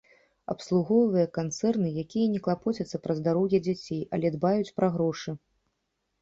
Абслугоўвае канцэрны, якія не клапоцяцца пра здароўе дзяцей, але дбаюць пра грошы.